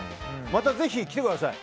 またぜひ来てください。